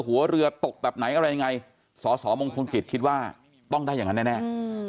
หัวเรือตกแบบไหนอะไรยังไงสสมงคลกิจคิดว่าต้องได้อย่างนั้นแน่